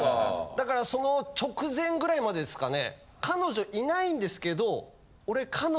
だからその直前ぐらいまでですかね。